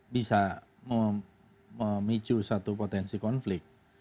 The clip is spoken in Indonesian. bisa memicu satu potensi konflik